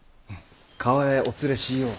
厠へお連れしようと。